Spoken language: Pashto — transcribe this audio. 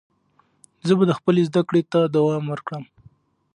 زه به خپلې زده کړې ته دوام ورکړم.